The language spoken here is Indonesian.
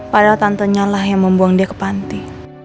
padahal tantenya lah yang membuang dia ke panti